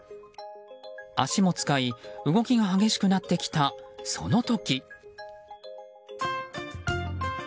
足も使い、動きが激しくなってきたその時。